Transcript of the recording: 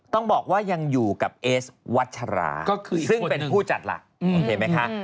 ต้องบอกว่ายังอยู่กับเอสวัชราซึ่งเป็นผู้จัดหลักโอเคไหมคะ